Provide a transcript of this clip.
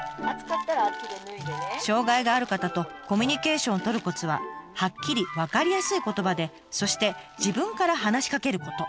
障害がある方とコミュニケーションを取るコツははっきり分かりやすい言葉でそして自分から話しかけること。